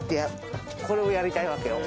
これをやりたいわけよ。